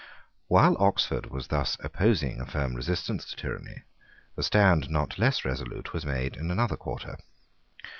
While Oxford was thus opposing a firm resistance to tyranny, a stand not less resolute was made in another quarter.